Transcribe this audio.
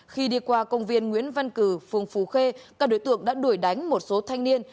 khi đi qua công viên nguyễn văn cử phường phú khê các đối tượng đã đuổi đánh một số thanh niên